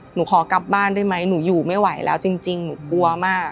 หนูขอกลับบ้านได้ไหมหนูอยู่ไม่ไหวแล้วจริงหนูกลัวมาก